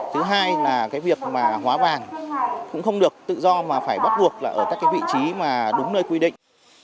thứ hai là cái việc mà hóa vàng cũng không được tự do mà phải bắt buộc là ở các cái vị trí mà đúng nơi quy định